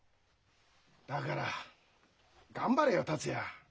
だから頑張れよ達也。